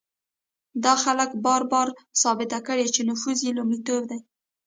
دا خلک بار بار ثابته کړې چې نفوذ یې لومړیتوب دی.